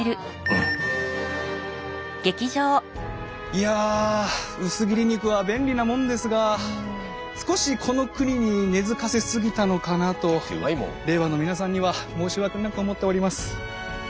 いや薄切り肉は便利なもんですが少しこの国に根づかせ過ぎたのかなと令和の皆さんには申し訳なく思っております。